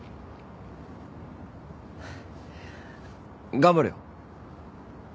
頑張れよ。